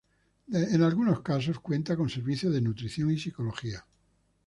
En algunos casos, cuenta con servicios de nutrición y psicología.